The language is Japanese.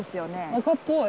赤っぽい。